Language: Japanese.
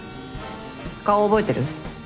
顔覚えてる？